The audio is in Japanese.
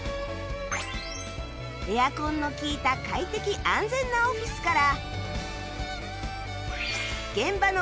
エアコンの利いた快適・安全なオフィスから